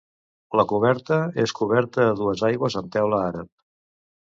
La coberta és coberta a dues aigües amb teula àrab.